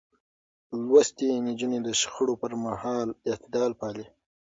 لوستې نجونې د شخړو پر مهال اعتدال پالي.